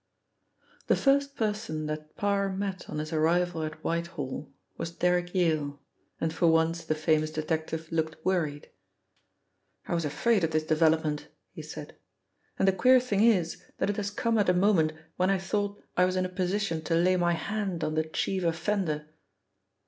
The first person that Parr met on his arrival at Whitehall was Derrick Yale, and for once the famous detective looked worried. "I was afraid of this development," he said, "and the queer thing is that it has come at a moment when I thought I was in a position to lay my hand on the chief offender."